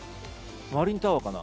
マリンタワーかな。